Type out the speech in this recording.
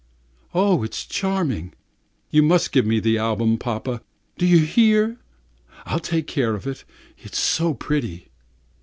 Oh, it's charming! You must give me the album, papa, do you hear? I'll take care of it, it's so pretty."